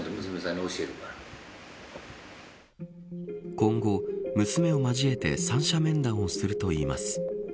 今後、娘を交えて三者面談をするといいます。